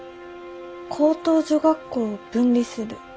「高等女学校を分離する」。